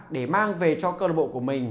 để mang về cho cơ lộ bộ của mình